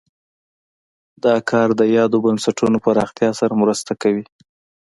دا کار د یادو بنسټونو پراختیا سره مرسته کوي.